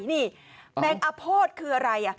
นี่แมงอโพธิคืออะไร